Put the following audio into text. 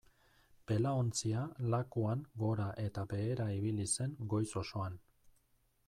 Belaontzia lakuan gora eta behera ibili zen goiz osoan.